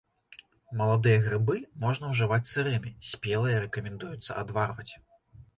Маладыя грыбы можна ўжываць сырымі, спелыя рэкамендуецца адварваць.